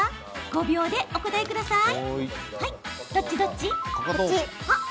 ５秒でお答えください。